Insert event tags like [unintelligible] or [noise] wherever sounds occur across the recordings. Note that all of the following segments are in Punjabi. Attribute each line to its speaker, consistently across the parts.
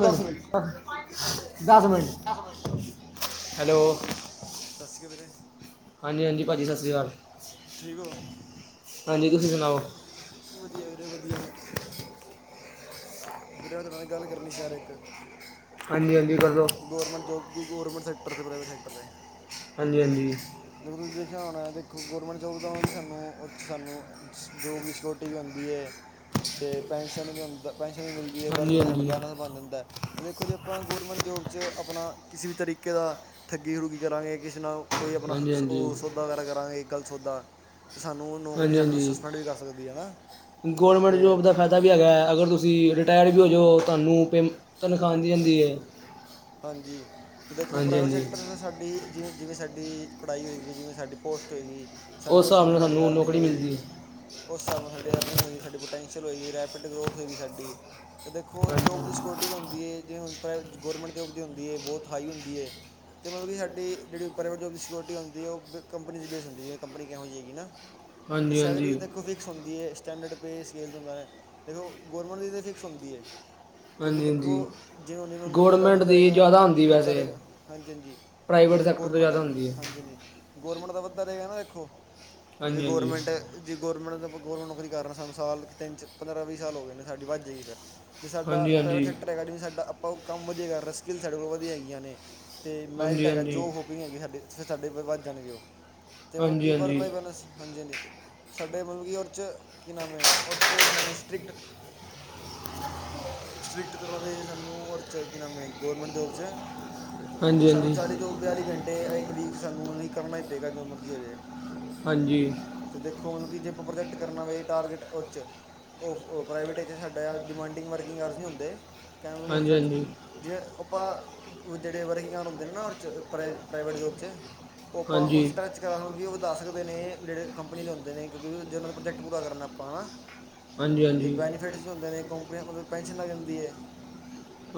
Speaker 1: ਦਸ ਮਿੰਟ- ਦਸ ਮਿੰਟ- ਦਸ ਮਿੰਟ। ਹੈਲੋ, ਸਤਿ ਸ਼੍ਰੀ ਅਕਾਲ ਵੀਰੇ।
Speaker 2: ਹਾਂਜੀ- ਹਾਂਜੀ ਭਾਜੀ ਸਤਿ ਸ਼੍ਰੀ ਅਕਾਲ।
Speaker 1: ਠੀਕ ਹੋ?
Speaker 2: ਹਾਂਜੀ, ਤੁਸੀਂ ਸੁਣਾਓ!
Speaker 1: ਵਧੀਆ ਵੀਰੇ ਵਧੀਆ। ਵੀਰੇ ਮੈਂ ਤੇਰੇ ਨਾਲ ਗੱਲ ਕਰਨੀ ਸੀ ਯਾਰ ਇੱਕ।
Speaker 2: ਹਾਂਜੀ-ਹਾਂਜੀ ਕਰ ਲੋਂ।
Speaker 1: ਗੌਰਮੈਂਟ ਜੋਬ, ਗੌਰਮੈਂਟ ਸੈਕਟਰ ਦੇ ਪ੍ਰਾਈਵੇਟ ਸੈਕਟਰ ਦੇ।
Speaker 2: ਹਾਂਜੀ- ਹਾਂਜੀ।
Speaker 1: ਜ ਤੁਸੀਂ ਦੇਖਿਆ ਹੋਣਾ, ਦੇਖੋ ਗੌਰਮੈਂਟ ਜੋਬ ਦਾ ਕਿ ਸਾਨੂੰ- ਸਾਨੂੰ ਜੋਬ ਦੀ ਟੀ ਵੀ ਹੁੰਦੀ ਏ ਅਤੇ ਪੈਨਸ਼ਨ ਵੀ ਹੁੰਦੀ ਪੈਨਸ਼ਨ ਮਿਲਦੀ ਹੈ, ਵਰਕ
Speaker 2: ਹਾਂਜੀ
Speaker 1: ਲਾਈਸ ਸਾਡਾ
Speaker 2: ਹਾਂਜੀ
Speaker 1: ਬੈਲੈਂਸ
Speaker 2: ਹਾਂਜੀ
Speaker 1: ਬਣ ਜਾਂਦਾ, ਤੇ ਦੇਖੋ ਜੀ ਆਪਾਂ ਗੌਰਮੈਂਟ ਜੋਬ 'ਚ ਆਪਣਾ ਕਿਸੇ ਵੀ ਤਰੀਕੇ ਦਾ ਠੱਗੀ -ਠੁੱਗੀ ਕਰਾਂਗੇ ਕਿਸੇ ਨਾਲ ਕੋਈ ਆਪਣਾ
Speaker 2: ਹਾਂਜੀ
Speaker 1: ਸ
Speaker 2: ਹਾਂਜੀ
Speaker 1: ਉਹ ਸੌਦਾ ਵਗੈਰਾ ਕਰਾਂਗੇ, ਗਲਤ ਸੌਦਾ ਤੇ ਸਾਨੂੰ ਨੌਕਰੀ
Speaker 2: ਹਾਂਜੀ-
Speaker 1: ਸਾਨੂੰ ਸਸਪੈਂਡ ਵੀ ਕਰ ਸਕਦੀ ਹੈ ਨਾ
Speaker 2: ਹਾਂਜੀ ਗੌਰਮੈਂਟ
Speaker 1: ਤੇ
Speaker 2: ਜੋਬ ਦਾ ਫ਼ਾਇ ਦਾ ਵੀ ਹੈਗਾ, ਅਗਰ ਤੁਸੀਂ ਰਿਟਾਇਰਡ ਵੀ ਹੋ ਜਾਓ, ਤੁਹਾਨੂੰ ਪੇ, ਤਨਖਾਹ ਆਂਦੀ -ਆਂਦੀ ਏ।
Speaker 1: ਹਾਂਜੀ, ਤੇ ਦੇਖੋ ਪ੍ਰਾਈਵੇਟ
Speaker 2: ਹਾਂਜੀ
Speaker 1: ਸੈਕਟਰ ਸਾਡੀ ਜਿਵੇਂ- ਜਿਵੇਂ ਸਾਡੀ ਪੜ੍ਹਾਈ ਹੋਏਗੀ, ਜਿਵੇਂ ਸਾਡੀ ਪੋਸਟ ਹੋਏਗੀ।
Speaker 2: ਉਸ
Speaker 1: ਸਾਡੀ ਉਹ ਹਿਸਾਬ ਨਾਲ ਸਾਡੀ
Speaker 2: ਸਾਨੂੰ
Speaker 1: ਅਰਨਿੰਗ
Speaker 2: ਨੌਕਰੀ
Speaker 1: ਹੋਏਗੀ।
Speaker 2: ਮਿਲਦੀ ਹੈ
Speaker 1: ਉਸ ਹਿਸਾਬ ਨਾਲ ਸਾਡੀ ਅਰਨਿੰਗ ਹੋਏਗੀ, ਸਾਡੀ ਪੋਟੈਂਸ਼ਅਲ ਹੋਈ, ਰੈਪਿਡ ਗਰੋਥ ਹੋਏਗੀ ਸਾਡੀ। ਅਤੇ ਦੇਖੋ
Speaker 2: ਹਾਂਜੀ
Speaker 1: ਜੋਬ ਦੀ ਸਕਿਕਿਓਰਟੀ ਵੀ ਹੁੰਦੀ ਏ, ਜੇ ਹੁਣ ਪ੍ਰਾਈਵੇਟ ਗੌਰਮੈਂਟ ਜੋਬ ਦੀ ਹੁੰਦੀ ਏ, ਬਹੁਤ ਹਾਈ ਹੁੰਦੀ ਏ। ਅਤੇ ਮਤਲਬ ਕਿ ਸਾਡੀ ਜਿਹੜੀ ਪ੍ਰਾਈਵੇਟ ਜੋਬ ਦੀ ਸਕਿਓਰਟੀ ਹੁੰਦੀ ਉਹ ਕ ਕੰਪਨੀ ਦੀ ਬੇਸ ਹੁੰਦੀ ਏ, ਕੰਪਨੀ ਕਿਹੋ ਜਿਹੀ ਏ ਨਾ। ਤੇ
Speaker 2: ਹਾਂਜੀ
Speaker 1: ਸੈਲਰੀ
Speaker 2: ਹਾਂਜੀ
Speaker 1: ਤੇ ਦੇਖੋ ਫਿਕਸ ਹੁੰਦੀ ਏ। ਸਟੈਂਡਰਡ ਪੇ ਸਕੇਲ ' ਹੁੰਦਾ ਏ, ਦੇਖੋ ਗੌਰਮੈਂਟ ਦੀ ਤਾਂ ਫਿਕਸ ਹੁੰਦੀ ਏ। ਕਿਉਂਕਿ
Speaker 2: ਹਾਂਜੀ ਹਾਂਜੀ
Speaker 1: ਦੇਖੋ ਜਿਵੇਂ -ਜਿਵੇਂ ਬੰਦਾ ਵਦਾ ਨ
Speaker 2: ਗੌਰਮੈਂਟ
Speaker 1: ਵੱਧਦਾ
Speaker 2: ਦੀ
Speaker 1: ਰਹੇਗਾ-
Speaker 2: ਜ਼ਿਆਦਾ ਹੁੰਦੀ
Speaker 1: ਵੱਧਦਾ
Speaker 2: ਵੈਸੇ
Speaker 1: ਰਹੇਗਾ, ਹਾਂਜੀ -ਹਾਂਜੀ
Speaker 2: ਪ੍ਰਾਈਵੇਟ
Speaker 1: ਜਿਵੇਂ
Speaker 2: ਸੈਕਟਰ ਤੋਂ
Speaker 1: ਗੌਰਮੈਂਟ
Speaker 2: ਜ਼ਿਆਦਾ ਹੁੰਦੀ ਹੈ
Speaker 1: ਹਾਂਜੀ- ਹਾਂਜੀ। ਗੌਰਮੈਂਟ ਤਾਂ ਵੱਧ ਰਹੇਗਾ ਨਾ ਵੇਖੋ, ਜਿਵੇਂ
Speaker 2: ਹਾਂਜੀ ਹਾਂਜੀ
Speaker 1: ਗੌਰਮੈਂਟ ਜਿ ਗੌਰਮੈਂਟ ਤੋਂ ਗੌਰਮੈਂਟ ਨੌਕਰੀ ਕਰ ਰਹੇ ਸਾਨੂੰ ਸਾਲ ਤਿੰਨ, ਪੰਦਰਾਂ ਵੀਹ ਸਾਲ ਹੋ ਗਏ ਨੇ, ਸਾਡੀ ਵੱਧ ਜਾਏਗੀ ਫਿਰ। ਜੇ ਸਾਡਾ
Speaker 2: ਹਾਂਜੀ
Speaker 1: ਪ੍ਰਾਈਵੇਟ ਸੈਕਟਰ ਹੈਗਾ, ਸਾਡਾ ਆਪਾਂ ਕੰਮ ਵਧੀਆ ਕਰ ਰਿਹਾ, ਸਕਿੱਲਸ ਸਾਡੇ ਕੋਲ ਵਧੀਆ ਹੈਗੀਆਂ ਨੇ। ਅਤੇ ਮੈਰਿਟ
Speaker 2: ਹਾਂਜੀ ਹਾਂਜੀ
Speaker 1: ਹੈਗਾ
Speaker 2: ਹਾਂਜੀ
Speaker 1: ਜੋ ਹੋਬੀ ਹੈਗੀ ਸਾਡੇ ਫਿਰ ਸਾਡੇ ਵੱਧ ਜਾਣਗੇ ਉਹ। ਤੇ ਮਤਲਬ
Speaker 2: ਹਾਂਜੀ
Speaker 1: ਕੀ
Speaker 2: ਹਾਂਜੀ
Speaker 1: ਵਰਪਲਾਈਵਰਸ ਹਾਂਜੀ-ਹਾਂਜੀ। ਸਾਡੇ ਮਤਲਬ ਕਿ ਉਸ 'ਚ ਕੀ ਨਾਮ ਹੈ ਔਰ 'ਚ ਸਾਨੂੰ ਸਟ੍ਰਿਕਟ ਸਟ੍ਰਿਕਟ ਤਰ੍ਹਾਂ ਦੇ ਸਾਨੂੰ ਂਔਰਚ ਕੀ ਨਾਮ ਹੈ ਗੌਰਮੈਂਟ ਜੋੌਬ 'ਚ
Speaker 2: ਹਾਂਜੀ
Speaker 1: ਸਾਨੂੰ
Speaker 2: ਹਾਂਜੀ
Speaker 1: ਚਾਲੀ ਬਿਆਲੀ ਘੰਟੇ ਇੱਕ ਵੀਕ ਸਾਨੂੰ ਮਤਲਬ ਕਿ ਕਰਨਾ ਹੀ ਪਏਗਾ ਜੋ ਮਰਜ਼ੀ ਹੋ ਜਾਏ।
Speaker 2: ਹਾਂਜੀ।
Speaker 1: ਤੇ ਦੇਖੋ ਮਤਲਬ ਕਿ ਜੇ ਆਪਾਂ ਪ੍ਰੋਜੈਕਟ ਕਰਨਾ ਵੇ ਟਾਰਗੇਟ ਉਹ ਚ। ਉਹ-ਉਹ ਪ੍ਰਾਈਵੇਟ ਚ ਸਾਡਾ ਡਿਮਾਂਡਿੰਗ ਵਰਕਿੰਗ ਕਾਰਸ ਨਹੀਂ ਹੁੰਦੇ ਕਹਿ
Speaker 2: ਹਾਂਜੀ
Speaker 1: ਵਿੱਚ,
Speaker 2: ਹਾਂਜੀ
Speaker 1: ਜਿਵੇਂ ਆਪਾਂ ਜਿਹੜੇ ਵਰਕਿੰਗਿ ਆਰ ਹੁੰਦੇ ਨੇ ਨਾ ਔਰ ਚ ਪ੍ਰਾਈ ਪ੍ਰਾਈਵੇਟ ਜੋਬ ਚ, ਓਪਾਂ
Speaker 2: ਹਾਂਜੀ
Speaker 1: ਉਸ ਟੱਚ, ਕਾਰ ਮਤਲਬ ਕਿ ਉਹ ਤਾ ਆ ਸਕਦੇ ਨੇ ਜਿਹੜੇ ਕੰਪਨੀ ਲਿਆਉਦੇ ਨੇ ਕਿਉਂਕਿ ਜੇ ਉਹਨਾਂ ਦਾ ਪ੍ਰੋਜੈਕਟ ਪੂਰਾ ਕਰਨਾ ਆਪਾਂ ਹੈ ਨਾ, ਅਤੇ
Speaker 2: ਹਾਂਜੀ
Speaker 1: ਬੈਨੀਫਿਟਸ ਵੀ ਹੁੰਦੇ ਨੇ ਕੰਪਨੀ ਮਤਲਬ ਪੈਨਸ਼ਨ ਲੱਗ ਜਾਂਦੀ ਹੈ।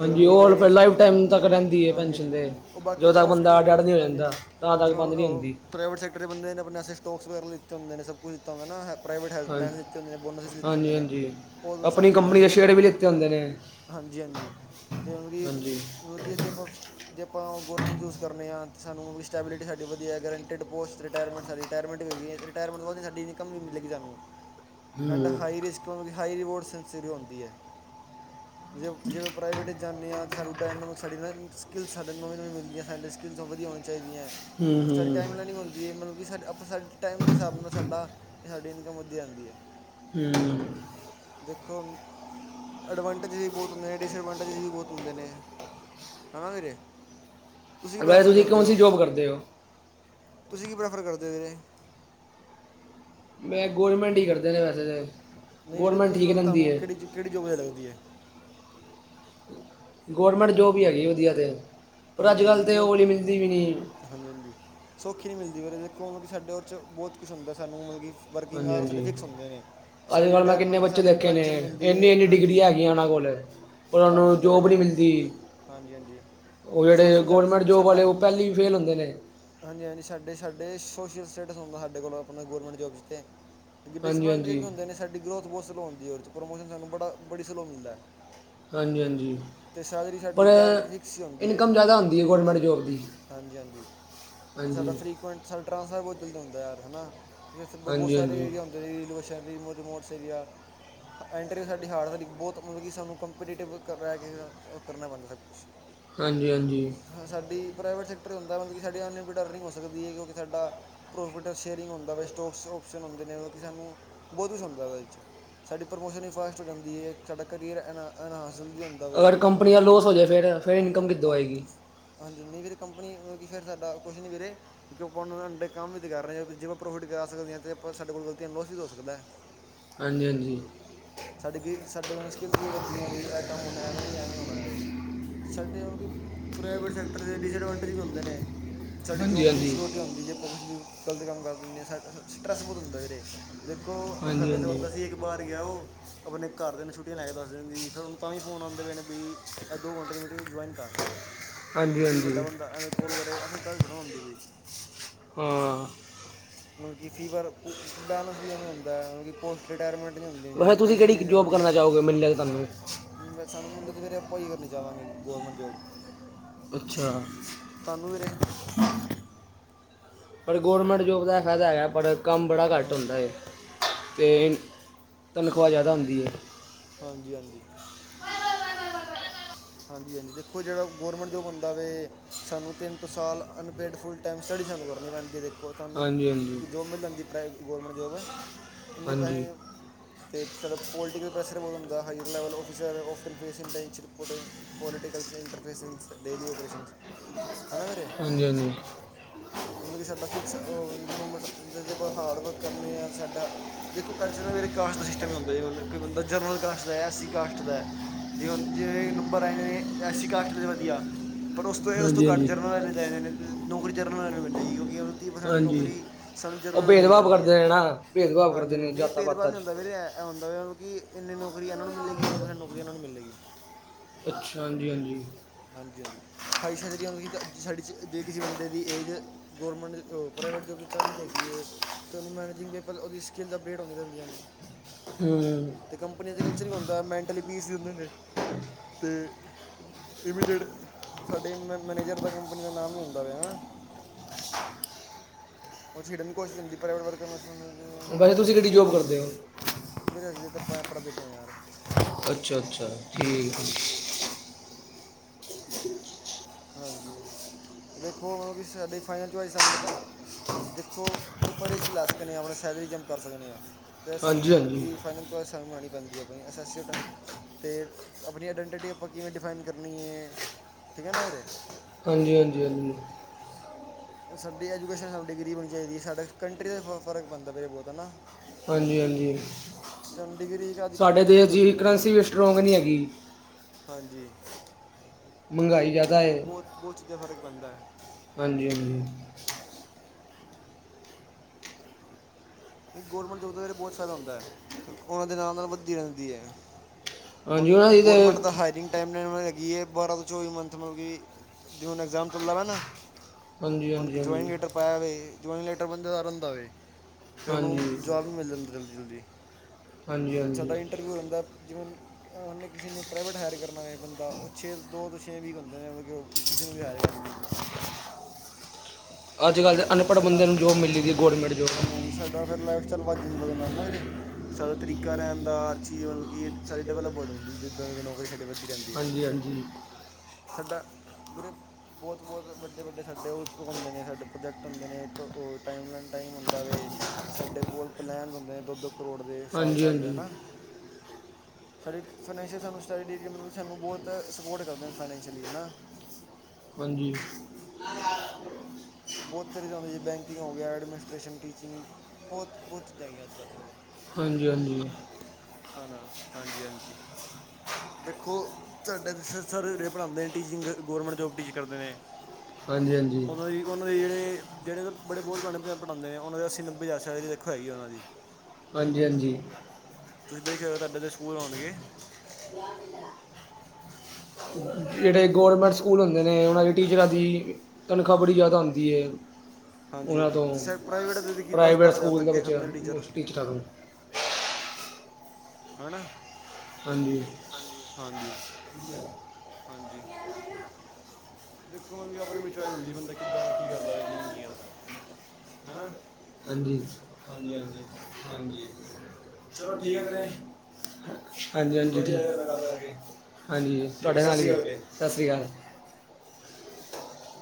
Speaker 1: ਤੇ ਮਤਲਬ ਕਿ
Speaker 2: ਹੋਰ,
Speaker 1: ਵੈਰੀਅਸ
Speaker 2: ਪਹਿਲਾ ਲਾਈਫ ਟਾਈਮ ਤੱਕ ਰਹਿੰਦੀ ਹੈ
Speaker 1: ਹਾਂਜੀ
Speaker 2: ਪੈਨਸ਼ਨ
Speaker 1: ਹਾਂਜੀ
Speaker 2: ਦੇ
Speaker 1: ਉਹ ਬਾਕੀ
Speaker 2: ਜਦੋਂ
Speaker 1: ਤੇ
Speaker 2: ਤੱਕ
Speaker 1: ਆਫਟਨ
Speaker 2: ਬੰਦਾ ਆਡ
Speaker 1: ਇਨਕਲੂਡ
Speaker 2: ਆਡ ਨਹੀਂ ਹੋ
Speaker 1: ਹਾਂਜੀ
Speaker 2: ਜਾਂਦਾ
Speaker 1: ਹਾਂਜੀ
Speaker 2: ਤਾਂ ਤੱਕ
Speaker 1: ਜਿਵੇਂ
Speaker 2: ਬੰਦ ਨਹੀਂ
Speaker 1: ਉਹ
Speaker 2: ਹੁੰਦੀ।
Speaker 1: ਪ੍ਰਾਈਵੇਟ ਸੈਕਟਰ ਦੇ ਬੰਦੇ ਨੇ ਆਪਣੇ ਸੇ ਸਟੋਕਸ ਵਗੈਰਾ ਲਤੇ ਹੁੰਦੇ ਨੇ ਸਭ ਕੁਛ ਦਿੱਤਾ ਹੁੰਦਾ ਨਾ ਹੈ। ਪ੍ਰਾਈਵੇਟ
Speaker 2: ਹਾਂਜੀ
Speaker 1: ਹੈਲਪਲਾਈਨ ਦਿੱਤੇ ਹੁੰਦੇ ਨੇ ਬੋਨਸ ਵੀ ਦਿੱਤੇ ਹੋਦੇ
Speaker 2: ਹਾਂਜੀ
Speaker 1: ਨੇ,
Speaker 2: ਹਾਂਜੀ
Speaker 1: ਉਹ ਸਭ
Speaker 2: ਆਪਣੀ
Speaker 1: ਚੱਲਦਾ
Speaker 2: ਕੰਪਨੀ ਦੇ
Speaker 1: ਠੀਕ ਹੈ।
Speaker 2: ਸ਼ੇਅਰ ਵੀ ਲਿੱਤੇ ਹੁੰਦੇ ਨੇ
Speaker 1: ਹਾਂਜੀ-ਹਾਂਜੀ। ਅਤੇ ਮਤਲਬ ਕਿ
Speaker 2: ਹਾਂਜੀ
Speaker 1: ਮਤਲਬ ਕਿ ਇੱਥੇ ਆਪਾਂ, ਜੇ ਆਪਾਂ ਗੌਰਮੈਂਟ ਯੂਜ਼ ਕਰੇ ਹਾਂ ਤਾਂ ਸਾਨੂੰ ਇਸਟੈਬਿਲਟੀ ਸਾਡੀ ਵਧੀਆ ਗਰੈਂਟਿਡ ਪੋਸਟ ਰਿਟਾਰਮੈਂਟ ਸਾਡੀ, ਰਿਟਾਇਰਮੈਂਟ ਹੋਏਗੀ ਰਿਟਾਇਰਮੈਂਟ ਤੋਂ ਬਾਅਦ ਸਾਡੀ ਇਨਕਮ ਵੀ ਮਿਲੇਗੀ ਸਾਨੂੰ। ਐਂਡ
Speaker 2: ਹੂੰ
Speaker 1: ਹਾਈ ਰਿਸਕ ਮਤਲਬ ਕਿ ਹਾਈ ਰਿਵੋਰਡ ਸਿੰਸੀਰੀ ਹੁੰਦੀ ਹੈ। ਜਿਵ ਜਿਵੇ ਪ੍ਰਾਈਵੇਟ, ਜਾਂਦੇ ਹਾਂ ਅਤੇ ਸਾਨੂੰ ਡਾਇਨੋਮਿਕ ਸਾਡੀ ਨਾ ਸਕਿੱਲ ਸਾਡੇ ਨੂੰ ਨੀਂ ਨਵੀਂ ਮਿਲਦੀਆਂ ਸਾਡੇ ਸਕਿੱਲਸ ਉਹ ਵਧੀਆ ਹੋਣੀ ਚਾਹੀਦੀਆਂ।
Speaker 2: ਹੂੰ
Speaker 1: ਸਾਡੀ
Speaker 2: ਹੂੰ
Speaker 1: ਟਾਈਮ ਲੈਣੀ ਆਉਂਦੀ ਹੈ ਮਤਲਬ ਕਿ ਸਾ ਆਪਾਂ ਸਾਡ ਟਾਈਮ ਦੇ ਹਿਸਾਬ ਨਾਲ ਸਾਡਾ, ਕਿਉਂਕਿ ਸਾਡੀ ਇਨਕਮ ਵਧੀਆ ਹੁੰਦੀ ਹੈ।
Speaker 2: ਹੂੰ।
Speaker 1: ਦੇਖੋ ਐਡਵਾਂਟੇਜ ਵੀ ਬਹੁਤ ਹੁੰਦੇ ਨੇ ਡਿਸਐਡਵਾਂਟ ਬਟੇਜ ਵੀ ਬਹੁਤ ਹੁੰਦੇ ਨੇ ਹੈ ਨਾ ਵੀਰੇ। ਤੁਸੀਂ ਕੀ
Speaker 2: ਵੈਸੇ
Speaker 1: ਪ੍ਰੈਫਰ ਕਰਦੇ
Speaker 2: ਕੌਣ ਸੀ
Speaker 1: ਹੋ,
Speaker 2: ਜੋਬ ਕਰਦੇ ਹੋ
Speaker 1: ਤੁਸੀਂ ਕੀ ਪ੍ਰੈਫਰ ਕਰਦੇ ਹੋ ਵੀਰੇ।
Speaker 2: ਮੈਂ ਗੌਰਮੈਂਟ ਹੀ ਕਰਦੇ ਨੇ ਵੈਸੇ ਤਾਂ,
Speaker 1: ਨਹੀਂ ਵੀਰੇ
Speaker 2: ਗੌਰਮੈਂਟ
Speaker 1: ਤੁਸੀਂ
Speaker 2: ਠੀਕ
Speaker 1: ਮਤਲਬ
Speaker 2: ਦਿੰਦੀ
Speaker 1: ਤੁਹਾਨੂੰ
Speaker 2: ਹੈ।
Speaker 1: ਕਿਹੜੀ ਕਿਹੜੀ ਯਗਤ ਲਗਦੀ ਹੈ।
Speaker 2: ਗੌਰਮੈਂਟ ਜੋਬ ਹੀ ਹੈਗੀ ਵਧੀਆ ਤੇ ਪਰ ਅੱਜ-ਕੱਲ ਤੇ ਉਹ ਵਾਲੀ ਮਿਲਦੀ ਵੀ ਨਹੀਂ।
Speaker 1: ਹਾਂਜੀ-ਹਾਂਜੀ ਸੌਖੀ ਨਹੀਂ ਮਿਲਦੀ ਪਰ ਦੇਖੋ ਮਤਲਬ ਕਿ ਸਾਡੇ ਔਰ ਚ ਬਹੁਤ ਕੁਛ ਹੁੰਦਾ ਸਾਨੂੰ ਮਤਲਬ ਕਿ, ਵਰਕਿੰਗ ਆਰ ਸਾਡੇ ਫਿਕਸ ਹੁੰਦੇ ਨੇ। ਸਾਡੀ
Speaker 2: ਅੱਜ-ਕੱਲ ਮੈਂ ਕਿੰਨੇ
Speaker 1: ਰਿਟਾਇਰਮੈਂਟ ਤੇ
Speaker 2: ਬੱਚੇ
Speaker 1: ਸਾਨੂੰ
Speaker 2: ਦੇਖੇ ਨੇ
Speaker 1: ਪੈਨਸ਼ਨ ਮਿਲਦੀ ਏ
Speaker 2: ਇੰਨੀ-ਇੰਨੀ
Speaker 1: ਹਾਂਜੀ
Speaker 2: ਡਿਗਰੀਆਂ ਹੈਗੀਆਂ ਉਹਨਾਂ ਕੋਲ। ਪਰ ਉਹਨਾਂ
Speaker 1: ਤਾਂ ਵੀ
Speaker 2: ਨੂੰ
Speaker 1: ਮਿਲੇ
Speaker 2: ਜੋਬ
Speaker 1: ਬੈਠੇ
Speaker 2: ਨਹੀਂ
Speaker 1: ਨੇ
Speaker 2: ਮਿਲਦੀ।
Speaker 1: ਹਾਂਜੀ ਹਾਂਜੀ
Speaker 2: ਉਹ ਜਿਹੜੇ
Speaker 1: ਸੋਸ਼ਲ ਸਾਡਾ
Speaker 2: ਗੌਰਮੈਂਟ ਜੋਬ ਵਾਲੇ ਉਹ ਪਹਿਲੀ ਫੇਲ ਹੁੰਦੇ ਨੇ,
Speaker 1: ਹਾਂਜੀ-ਹਾਂਜੀ ਸਾਡੇ-ਸਾਡੇ ਸੋਸ਼ਲ ਸਟੇਟਸ ਹੁੰਦਾ ਸਾਡੇ ਕੋਲ ਆਪਣਾ ਗੌਰਰਮੈਂਟ ਜੋਬ ਤੇ, ਅਤੇ
Speaker 2: ਹਾਂਜੀ
Speaker 1: ਡਿਸਐਡਵਾਟੇਜ ਵੀ
Speaker 2: ਹਾਂਜੀ
Speaker 1: ਹੁੰਦੇ ਨੇ ਸਾਡੀ ਗਰੋਥ ਬਹੁਤ ਸਲੋ ਹੁੰਦੀ ਉਹਦੇ ਚ ਪ੍ਰਮੋਸ਼ਨ ਸਾਨੂੰ ਬੜਾ ਬੜੀ ਸਲੋ ਮਿਲਦਾ,
Speaker 2: ਹਾਂਜੀ-ਹਾਂਜੀ,
Speaker 1: ਤੇ ਸੈਲਰੀ
Speaker 2: ਪਰ
Speaker 1: ਸਾਡੀ ਕੈਬ ਫਿਕਸ ਹੀ
Speaker 2: ਐਹ ਇਨਕਮ ਜ਼ਿਆਦਾ ਹੁੰਦੀ ਹੈ ਗੌਰਮੈਂਟ ਜੋਬ ਦੀ,
Speaker 1: ਹਾਂਜੀ-ਹਾਂਜੀ, ਅਤੇ
Speaker 2: ਹਾਂਜੀ
Speaker 1: ਸਾਡਾ ਫਰੀਕੁਐੰਟ ਸਾਡਾ ਟਰਾਂਸਫਰ ਬੋ ਜਲਦ ਹੁੰਦਾ ਯਾਰ ਹਨਾ, ਬਹੁਤ
Speaker 2: ਹਾਂਜੀ
Speaker 1: ਸਾਰੇ
Speaker 2: ਹਾਂਜੀ
Speaker 1: ਏਰੀਆ ਹੁੰਦੇ ਕੇਸ਼ਨ ਰ ਰਿਮੋਟਸ ਏਰੀਆ, ਹ ਐਂਟਰੀ ਸਾਡੀ ਹਾਰਡ ਸਾਡੀ ਬਹੁਤ ਮਤਲਬ ਕਿ ਸਾਨੂੰ ਕੰਪੀਟੀਟਿਵ ਕਰ ਰਹਿ ਕੇ ਕਰਨਾ ਪੈਂਦਾ ਸਭ ਕੁਛ,
Speaker 2: ਹਾਂਜੀ-ਹਾਂਜੀ।
Speaker 1: ਸਾਡੀ ਪ੍ਰਾਈਵੇਟ ਸੈਕਟਰ ਹੁੰਦਾ ਮਤਲਬ ਕਿ ਸਾਡੀ ਅਨਇੰਪੀਡ ਅਰਨਿੰਗ ਹੋ ਸਕਦੀ ਹੈ ਕਿਉਂਕਿ ਸਾਡਾ, ਪ੍ਰੋਫਿਟ ਸ਼ੇਅਰਿੰਗ ਹੁੰਦਾ ਵੇ ਸਟੋਕਸ ਔਪਸ਼ਨ ਹੁੰਦੇ ਨੇ ਮਤਲਬ ਕਿ ਸਾਨੂੰ ਬਹੁਤ ਕੁਛ ਹੁੰਦਾ ਉਹਦੇ ਵਿੱਚ, ਸਾਡੀ ਪ੍ਰਮੋਸ਼ਨ ਹੀ ਫਾਸਟ ਹੋ ਜਾਂਦੀ ਹੈ ਸਾਡਾ ਕਰੀਅਰ ਇ ਇਨਹਾਂਸਲ ਨਹੀਂ ਹੁੰਦਾ, ਵੇ
Speaker 2: ਅਗਰ ਕੰਪਨੀ ਦਾ ਲੋਸ ਹੋ ਜਾਵੇ ਫਿਰ-ਫਿਰ ਇਨਕਮ ਕਿੱਥੋ
Speaker 1: ਕੰ
Speaker 2: ਆਏਗੀ।
Speaker 1: ਹਾਂਜੀ ਨਹੀਂ ਫਿਰ ਕੰਪਨੀ ਮਤਲਬ ਫਿਰ ਸਾਡਾ ਕੁਛ ਨੀ ਨਹੀ ਵੀਰੇ, ਕਿਉਂਕਿ ਆਪਾਂ ਉਹਨਾਂ ਅੰਡੇ ਕੰਮ ਵੀ ਤਾਂ ਕਰ ਰਹੇ ਹਾਂ ਜੇ ਆਪਾਂ ਪ੍ਰੋਫਿਟ ਕਰ ਸਕਦੇ ਹਾਂ ਤਾਂ ਆਪਾਂ ਸਾਡੇ ਕੋਲ ਗਲਤੀਆਂ ਲੋਸ ਵੀ ਹੋ ਸਕਦਾ।
Speaker 2: ਹਾਂਜੀ-ਹਾਂਜੀ।
Speaker 1: ਸਾਡੇ ਗੇ ਸਾਡੇ ਸਕਿੱਲਸ ਵੀ ਵੱਧੀਆਂ ਵੀ ਏ ਕੰਮ ਹੁਨ ਐਵੇਂ ਨੀ ਐਵੇਂ ਹੋਨਾ ਵੇ। ਸਾਡੇ ਮਤਲਬ ਕਿ ਪ੍ਰਾਈਵੇਟ ਸੈਕਟਰ ਦੇ ਡਿਸਐਡਵਾਂਟੇਜ ਵੀ ਹੁੰਦੇ ਨੇ, ਸਾਡੀ
Speaker 2: ਹਾਂਜੀ
Speaker 1: ਜੋਬ ਦੀ
Speaker 2: ਹਾਂਜੀ
Speaker 1: ਸਕਿਓਰਟੀ ਹੁੰਦੀ ਜੇ। ਉ ਕੁਛ ਵੀ ਗਲਤ ਕੰਮ ਕਰ ਦਿੰਦੇ, ਸਾ ਸਟਰੈੱਸ ਬਹੁਤ ਹੁੰਦਾ ਵੀਰੇ, ਦੇਖੋ
Speaker 2: ਹਾਂਜੀ
Speaker 1: ਸਾਡਾ ਇਥੇ ਬੰਦਾ ਸੀ
Speaker 2: ਹਾਂਜੀ
Speaker 1: ਇੱਕ ਬਾਰ ਗਿਆ ਉ ਆਪਣੇ ਘਰ ਦੇ ਨੂੰ ਛੱਟੀਆਂ ਲੈ ਕੇ ਦਸ ਦਿੰਦੀ, ਫੇਰ ਹੁਨ ਤਾਂ ਵੀ ਫੋਨ ਆਂਦੇ ਪਏ ਨੇ ਵੀ ਐ ਦੋ ਘੰਟੇ ਦੀ ਮੀਟਿੰਗ ਜੁਆਇਨ ਕਰ। ਮਤਲਬ
Speaker 2: ਹਾਂਜੀ
Speaker 1: ਕਿ ਵੱਡਾ
Speaker 2: ਹਾਂਜੀ
Speaker 1: ਬੰਦਾ ਐਂਵੈਂ ਕੋਲ ਕਰੇ, ਐ ਫੇਰ ਗੱਲ ਥੋਡ਼ਾ ਹੁੰਦੀ ਕੋਈ।
Speaker 2: ਹਾਂ।
Speaker 1: ਮਤਲਬ ਕਿ ਫੀਵਰ, ਬੈਲੈਂਸ ਵੀ ਐਵੇਂ ਹੁੰਦੈ, ਮਤਲਬ ਕਿ ਪੋਸਟ ਰਿਟਾਇਰਮੈਂਟ ਨੀ ਹੁੰਦੀ ਏਨੀ ਜਲਦੀ,
Speaker 2: ਵੈਸੇ ਤੁਸੀਂ
Speaker 1: ਪੈਨਸ਼ਨ
Speaker 2: ਕਿਹੜੀ
Speaker 1: ਵੀ
Speaker 2: ਜੋਬ
Speaker 1: ਲਗਦੀ।
Speaker 2: ਕਰਨਾ ਚਾਹੋਗੇ ਮੈਨੂੰ ਲੱਗਦਾ ਤੁਹਾਨੂੰ
Speaker 1: ਮੈਂ ਸਾਨੂੰ ਮੈਨੂੰ ਤਾਂ ਫਿਰ ਆਪਾਂ ਵੀ ਕਰਨੀ ਚਾਹਵਾਂਗੇ ਗੌਰਮੈਂਟ ਜੋਬ।
Speaker 2: ਅੱਛਾ।
Speaker 1: ਤਾਨੂੰ ਵੀਰੇ
Speaker 2: ਪਰ ਗੌਰਮੈਂਟ ਜੋਬ ਦਾ ਐ ਫੈਦਾ ਹੈਗੈ ਪਰ ਕੰਮ ਬੜਾ ਘੱਟ ਹੁੰਦਾ
Speaker 1: ਹਾਂਜੀ
Speaker 2: ਏ, ਤੇ ਤਨਖਾਹ ਜਾਦਾ ਹੁੰਦੀ ਏ।
Speaker 1: ਹਾਂਜੀ- ਹਾਂਜੀ। ਹਾਂਜੀ- ਹਾਂਜੀ, ਦੇਖੋ ਜੇੜਾ ਗੌਰਮੈਂਟ ਜੋਬ ਹੁੰਦਾ ਵੇ ਸਾਨੂੰ ਤਿੰਨ ਤੋਂ ਸਾਲ ਅਨਪੇਡ ਫੁੱਲ ਟਾਈਮ ਸਟੱਡੀ ਸਾਨੂੰ ਕਰਨੀ ਪੈਂਦੀ ਏ। ਸਾਨੂੰ
Speaker 2: ਹਾਂਜੀ ਹਾਂਜੀ
Speaker 1: ਜੋਬ ਮਿਲ ਜਾਂਦੀ ਪ੍ਰਾਈ ਗੌਰਮੈਂਟ ਜੋਬ ਐਨੇ
Speaker 2: ਹਾਂਜੀ
Speaker 1: ਪੈਹੇ ਤੇ ਸਾਡਾ ਪੋਲੀਟੀਕਲ ਪ੍ਰੈਸ਼ਰ ਬੋਤ ਹੁੰਦਾ, higher level officer often face infection ਪੋਲੀਟੀਕਲਸ interfaces daily operation, ਹਨਾ ਵੀਰੇ।
Speaker 2: ਹਾਂਜੀ-ਹਾਂਜੀ।
Speaker 1: ਮਤਲਬ ਕਿ ਸਾਡਾ ਫਿਕਸ ਮਤਲਬ ਕਿ ਦੋਨੋਮੀਟਰ, ਜੇ ਆਪਾਂ ਹਾਰਡ ਵਰਕ ਕਰਨੇ ਆਂ ਸਾਡਾ ਦੇਖੋ ਅਰਚਨਾ ਮੇਰੇ ਕਾਸਟ ਦਾ ਸਿਸਟਮ ਚ ਹੁੰਦਾ, ਜਿਵੇਂ ਹੁਨ ਇੱਕ ਬੰਦਾ ਜਨਰਲ ਕਾਸਟ ਦਾ ਏ, ਐਸੀ ਕਾਸਟ ਦਾ ਏ। ਜੀ ਹੁਨ ਜਿਵੇਂ ਨੰਬਰ ਆਏ ਨੇ, ਐਸੀ ਕਾਸਟ 'ਤੇ ਵਧੀਆ। ਪਰ ਉਸ ਤੋਂ ਐ ਉਸ ਤੋਂ ਘੱਟ
Speaker 2: ਹਾਂਜੀ
Speaker 1: ਜਨਰਲ
Speaker 2: ਹਾਂਜੀ
Speaker 1: ਵਾਲੇ ਲੈਦੇ ਨੇ, ਨੌਕਰੀ ਜਨਰਲ ਵਾਲਿਆਂ ਨੂੰ ਮਿਲੇਗੀ ਕਿਉਂਕਿ ਤੀ ਪਰਸੈਂਟ
Speaker 2: ਹਾਂਜੀ
Speaker 1: ਨੌਕਰੀ ਸਾਨੂੰ
Speaker 2: ਉਹ
Speaker 1: ਜਨਰਲ ਨੂੰ ਦੇਨੀ
Speaker 2: ਭੇਦਭਾਵ
Speaker 1: ਪੈਂਦੀ ਏ,
Speaker 2: ਕਰਦੇ ਨੇ ਨਾ ਭੇਦਭਾਵ
Speaker 1: ਹਾਂਜੀ-
Speaker 2: ਕਰਦੇ
Speaker 1: ਹਾਂਜੀ
Speaker 2: ਨੇ
Speaker 1: ਨਈ
Speaker 2: ਜਾਤਾਂ
Speaker 1: ਭੇਦਭਾਵ
Speaker 2: ਪਾਤਾਂ
Speaker 1: ਨਈ ਹੁੰਦਾ
Speaker 2: 'ਚ
Speaker 1: ਵੀੇਰੇ ਐ। ਐ ਹੁੰਦਾ ਕਿ, ਇੰਨੀ ਨੌਕਰੀ ਇਨਾਂ ਨੂੰ ਮਿਲੇਗੀ, ਇੰਨੀ ਪਰਸੈੰਟ ਨੌਕਰੀ ਇਨਾਂ ਨੂੰ ਮਿਲੇਗੀ।
Speaker 2: ਅੱਛਾ, ਹਾਂਜੀ-ਹਾਂਜੀ।
Speaker 1: ਹਾਂਜੀ- ਹਾਂਜੀ, ਖਵਾਇਸ਼ਾਂ ਜੇੜੀ ਹੁੰਦੀਆਂ ਕਿ ਸਾਡੇ ਚ ਜੇ ਕਿਸੇ ਬੰਦੇ ਦੀ ਏਜ ਗੌਰਮੈਂਟ ੳ ਪ੍ਰਾਈਵੇਟ ਜੋਬ ਵੀ ਚਾਲੀ ਚ ਹੈਗੀ ਏ। ਤੇ ਉਨੂੰ ਮੈਨੇਜਿੰਗ ਪੇਪਰ ਉਦੀ ਸਕਿੱਲਜ਼ ਅਪਡੇਟ ਹੁੰਦੀਆਂ ਰੈੰਦੀਆਂ ਨੇ।
Speaker 2: ਹੂੰ
Speaker 1: ਤੇ ਕੰਪਨੀਆਂ ਦਾ ਕਲਚਰ ਵੀ ਹੁੰਦਾ, ਮੈਂਨਟਲੀ ਪੀਸ ਵੀ ਹੂੰਦੇ ਨੇ ਤੇ ਇਮੀਡੇਟ ਸਾਡੇ ਮ- ਮੈਨੇਜਰ ਦਾ ਕੰਪਨੀ ਦਾ ਨਾਮ ਵੀ ਹੁੰਦਾ ਪਿਆ ਹਨਾ। ਉ ਹੈੱਡ ਦੀ ਕੋਸ਼ਿਸ਼ ਹੁੰਦੀ ਪ੍ਰਾਈਵੇਟ ਵਰ ਹੂੰ [unintelligible]
Speaker 2: ਵੈਸੇ ਤੁਸੀਂ ਕੇੜੀ ਜੋਬ ਕਰਦੇ ੳ?
Speaker 1: ਵੀਰੇ ਹਜੇ ਤੇ ਆਪਾਂ ਪੜ੍ਹਦੇ ਪਏ ਆਂ ਯਾਰ।
Speaker 2: ਅੱਛਾ -ਅੱਛਾ, ਠੀਕ ਏ।
Speaker 1: ਹਾਂਜੀ ਹਾਂਜੀ, ਦੇਖੋ ਮਤਲਬ ਕਿ ਸਾਡੀ ਫਾਈਨਲ ਚੁਆਇਸ ਸਾਨੂੰ ਪਤਾ ਦੇਖੋ ਜੇ ਪਰੇ 'ਚ ਲਾ ਸਕਦੇ ਹਾਂ ਆਪਨਾ ਸੈਲਰੀ ਜੰਪ ਕਰ ਸਕਨੇ ਆਂ। ਤੇ ਸਾਨੂੰ
Speaker 2: ਹਾਂਜੀ ਹਾਂਜੀ
Speaker 1: ਮਤਲਬ
Speaker 2: ਹਾਂਜੀ
Speaker 1: ਕਿ ਫਾਈਨਲ ਚੁਆਇਸ ਸਾਨੂੰ ਲੈਨੀ ਪੈਂਦੀ ਏ। ਅਸੈਸੀਅਟਨ ਤੇ ਅਪਨੀ ਆਈਡੈਂਟਿਟੀ ਆਪਾਂ ਕਿਵੇਂ ਡਿਫਾਈਨ ਕਰਨੀ ਏ। ਠੀਕ ਏ ਨਾ ਵੀਰੇ।
Speaker 2: ਹਾਂਜੀ, ਹਾਂਜੀ, ਹਾਂਜੀ।
Speaker 1: ਸਾਡੀ ਐਜੂਕੇਸ਼ਨ ਸਾਨੂੰ ਡਿਗਰੀ ਹੋਣੀ ਚਾਈਦੀ, ਸਾਡਾ ਕੰਟਰੀ ਦਾ ਫ਼ ਫਰਕ ਪੈਂਦਾ ਪੇਆ ਬੋਤ ਹੈਨਾ।
Speaker 2: ਹਾਂਜੀ-ਹਾਂਜੀ।
Speaker 1: ਡਿਗਰੀ ਅੱਜ ਕੱਲ੍ਹ ਤਾਂ
Speaker 2: ਸਾਡੇ ਦੇਸ਼
Speaker 1: ਵੇਸਟ ਹੋ ਗਈ
Speaker 2: ਦੀ
Speaker 1: ਮੇਰੇ
Speaker 2: ਕਰੰਸੀ ਵੀ
Speaker 1: ਸਾਹਮਣੇ
Speaker 2: ਸਟਰੋਂਗ ਨੀ ਹੈਗੀ।
Speaker 1: ਹਾਂਜੀ।
Speaker 2: ਮੰਗਾਈ ਜਾਦਾ ਏ।
Speaker 1: ਓ ਚੀਜ਼ ਦਾ ਫਰਕ ਪੈਂਦਾ ਐ।
Speaker 2: ਹਾਂਜੀ-ਹਾਂਜੀ।
Speaker 1: ਗੌਰਮੈਂਟ ਜੋਬ ਦਾ ਵੀਰੇ ਬੋਤ ਫੈਦਾ ਹੁੰਦਾ ਐ, ਓਨਾਂ ਦੀ ਨਾਲ-ਨਾਲ ਵੱਧਦੀ ਰੈਂਦੀ ਐ।
Speaker 2: ਹਾਂਜੀ
Speaker 1: ਹੁਣ,
Speaker 2: ਉਹਨਾਂ
Speaker 1: ਓ
Speaker 2: ਦੀ ਤੇ
Speaker 1: ਗੌਰਮੈਂਟ ਦਾ ਹਾਇਰਿੰਗ ਟਾਈਮ ਲਾਈਨ ਓਨਾਂ ਦੀ ਹੈਗੀ ਏ ਬਾਰਾਂ ਤੋਂ ਚੌਵੀ ਮੰਥ, ਮਤਲਬ ਕਿ ਜਿਵੇਂ ਹੁਨ ਐਗਜ਼ਾਮ ਚੱਲਦਾ ਪੇਆ ਨਾ
Speaker 2: ਹਾਂਜੀ
Speaker 1: ਹੁਨ
Speaker 2: ਹਾਂਜੀ
Speaker 1: ਜੋਈਨਿੰਗ
Speaker 2: ਹਾਂਜੀ
Speaker 1: ਲੇਟਰ ਪਾਇਆ ਹਵੇ, ਜੋਈਨਿੰਗ ਲੇਟਰ ਬੰਦਾ ਦਾ ਰੈਂਦਾ ਵੇ ਫਿਰ ਓਨੂੰ
Speaker 2: ਹਾਂਜੀ
Speaker 1: ਜਵਾਬ ਵੀ ਮਿਲ ਜਾਂਦੀ ਜਲਦੀ-ਜਲਦੀ,
Speaker 2: ਹਾਂਜੀ
Speaker 1: ਸਾਡਾ
Speaker 2: ਹਾਂਜੀ
Speaker 1: ਇੰਟਰਵਿਊ ਰੈਂਦਾ ਜਿਵੇਂ ਓਨੇ ਕਿਸੇ ਨੇ ਪ੍ਰਾਈਵੇਟ ਹਾਇਰ ਕਰਨਾ ਹੋਵੇ ਬੰਦਾ, ਓ ਛੇ, ਦੋ ਤੋਂ ਛੇ ਵੀਕ ਹੁੰਦੇ ਨੇ ਮਤਲਬ ਕਿ ਓ ਕਿਸੇ ਨੂੰ ਵੀ ਹਾਇਰ ਕਰ ਲੈਂਦੇ।
Speaker 2: ਅੱਜ ਕੱਲ ਤੇ ਅਨਪੜ੍ਹ ਬਦਿਆਂ ਨੂੰ ਜੋਬ ਮਿਲੀ ਦੀ ਏ, ਗੌਰਮੈਂਟ ਜੋਬ।
Speaker 1: ਨਈ ਸਾਡਾ ਫਿਰ ਲਾਈਫ ਚਰ ਵੱਧ ਜਾਂਦਾ ਓਦੇ ਨਾਲ ਨਾ ਵੀਰੇ ਸਾਰਾ ਤਰੀਕਾ ਰੈਨ ਦਾ ਹਰ ਚੀਜ਼ ਮਤਲਬ ਕਿ ਸਾਡੀ ਡੇਵਲਪਡ ਹੋ ਜਾਂਦੀ ਜਿੱਦਾਂ-ਜਿੱਦਾ ਨੌਕਰੀ ਸਾਡੀ ਵਧ ਦੀ ਰੈਂਦੀ ਏ।
Speaker 2: ਹਾਂਜੀ ਹਾਂਜੀ
Speaker 1: ਸਾਡਾ, ਵੀਰੇ ਬੋਤ-ਬੋਤ ਵੱਡੇ-ਵੱਡੇ ਸਾਡੇ ਓ ਹੁੰਦੇ ਨੇ ਸਾਡੇ ਪ੍ਰੋਜੈਕਟ ਹੁੰਦੇ ਨੇ, ਓ ਟਾਈਮ ਲਾਈਨ ਟਾਈਮ ਹੁੰਦਾ ਵੇ, ਸਾਡੇ ਬੋਤ ਪਲੈਨ ਹੁੰਦੇ ਨੇ ਦੋ-ਦੋ ਕਰੋੜ ਦੇ
Speaker 2: ਹਾਂਜੀ
Speaker 1: ਸਾਲ-ਸਾਲ ਦੇ
Speaker 2: ਹਾਂਜੀ
Speaker 1: ਨਾ। ਸਾਡੀ ਫਾਈਨੈਂਸ਼ੀਅ ਸਾਨੂੰ [unintelligible] ਸਾਨੂੰ ਬੋਤ, ਸਪੋਰਟ ਕਰਦੇ ਨੇ ਫਾਈਨੈਂਸ਼ੀਲੀ ਨਾ।
Speaker 2: ਹਾਂਜੀ। [inaudible]
Speaker 1: ਬੋਤ ਤਰ੍ਹਾਂ ਦੀ ਹੁੰਦੀ ਜਿਵੇਂ ਬੈਂਕਿਂਗ ਹੋ ਗਿਆ, ਐਡਮਿਨਿਸਟਰੇਸ਼ਨ ਟਿਚਿੰਗ, ਬੋਤ-ਬੋਤ ਚੀਜ਼ਾਂ ਹੈਗੀਆਂ ਅੱਜ-ਕੱਲ ਦੇ।
Speaker 2: ਹਾਂਜੀ, ਹਾਂਜੀ।
Speaker 1: ਹਾਂ-ਹਾਂ, ਹਾਂਜੀ, ਹਾਂਜੀ ਦੇਖੋ ਸਾਡੇ ਤੇ ਸ ਸਰ ਜੇੜੇ ਪੜ੍ਹਾਂਦੇ ਨ ਟੀਚਿੰਗ ਗੌਰਮੈਂਟ ਜੋਬ ਟੀਚ ਕਰਦੇ ਨੇ।
Speaker 2: ਹਾਂਜੀ-ਹਾਂਜੀ।
Speaker 1: ਤੇ ਓਨਾਂ ਡੇ ਜੇੜੇ, ਜੇੜੇ ਤੇ ਬੜੇ ਬੋਤ ਪੁਰਾਣੇ ਪੜਾਂਦੇ ਨੇ, ਓਨਾਂ ਦੀ ਅਸੀ ਨੱਬੇ ਹਜ਼ਾਰ ਸੈਲਰੀ ਦੇਖੋ ਹੈਗੀ ਓਨਾਂ ਦੀ।
Speaker 2: ਹਾਂਜੀ, ਹਾਂਜੀ।
Speaker 1: ਤੁਸੀਂ ਦੇਖਯਾ ਹੋਏ ਤੁਆਡੇ ਤੇ ਸਕੂਲ ਹੋਣਗੇ।
Speaker 2: [unintelligible] ਜੇੜੇ ਗੌਰਮੈਂਟ ਸਕੂਲ ਹੋਂਦੇ ਨੇ, ਓਨਾਂ ਦੀ ਟੀਚਰਾਂ ਦੀ ਤਨਖਾ ਬੜੀ ਜਾਦਾ ਹੁੰਦੀ ਏ।
Speaker 1: ਹਾਂਜੀ
Speaker 2: ਓਨਾਂ
Speaker 1: ਹਾਂਜੀ
Speaker 2: ਤੋਂ
Speaker 1: ਸੈ ਪ੍ਰਾਈਵੇਟ ਦੇ ਕੀ
Speaker 2: ਪ੍ਰਾਈਵੇਟ
Speaker 1: ਹਜ਼ਾਰ
Speaker 2: ਸਕੂਲ
Speaker 1: ਤੱਕ
Speaker 2: ਦੇ
Speaker 1: ਕੇ
Speaker 2: ਬੱਚੇਆ,
Speaker 1: ਖਾਂਦੇ ਨੇ ਟੀਚਰ
Speaker 2: ਉਸ ਟੀਚਰਾਂ ਤੋਂ
Speaker 1: ਹਨਾ,
Speaker 2: ਹਾਂਜੀ
Speaker 1: ਹਾਂਜੀ, ਹਾਂਜੀ। ਦੇਖੋ ਮਤਲਬ ਅਪਨੀ-ਅਪਨੀ ਚੋਇਸ ਹੁੰਦੀ, ਬੰਦਾ ਕਿੱਦਾਂ ਕੀ ਕਰਦਾ ਪਯਾ ਕਿ ਨਈ ਕਰਦਾ ਹਨਾ।
Speaker 2: ਹਾਂਜੀ। ਹਾਂਜੀ-ਹਾਂਜੀ,
Speaker 1: ਹਾਂਜੀ ਚਲੋ ਹੈ
Speaker 2: ਠੀਕ,
Speaker 1: ਵੀਰੇ ਵਧੀਆ ਲੱਗਾ ਗੱਲ ਕਰਕੇ
Speaker 2: ਹਾਂਜੀ
Speaker 1: ਠੀਕ
Speaker 2: ਤੁਆਡੇ
Speaker 1: ਸਤਿ
Speaker 2: ਨਾਲ ਈ,
Speaker 1: ਸ਼੍ਰੀ ਅਕਾਲ ਵੀਰੇ
Speaker 2: ਸਸ ਸ਼੍ਰੀ ਕਾਲ।